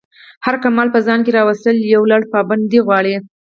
هر کمال په ځان کی راویستل یو لَړ پابندی غواړی.